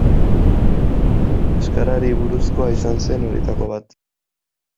Euskarari buruzkoa izan zen horietako bat.